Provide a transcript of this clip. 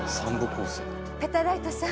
ペタライトさん